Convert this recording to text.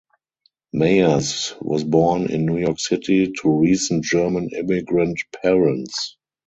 Meyers was born in New York City to recent German immigrant parents.